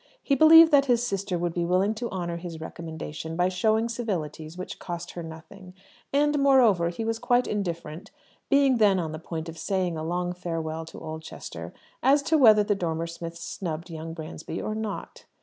He believed that his sister would be willing to honour his recommendation by showing civilities which cost her nothing; and, moreover, he was quite indifferent (being then on the point of saying a long farewell to Oldchester) as to whether the Dormer Smiths snubbed young Bransby or not.